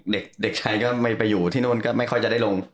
เด็กชายก็ไม่ไปอยู่ที่นู่นก็ไม่ค่อยจะได้ลง